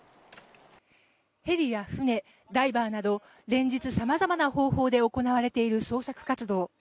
ヘリや船、ダイバーなど連日、さまざまな方法で行われている捜索活動。